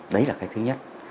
đấy là cái thứ nhất